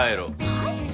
はい？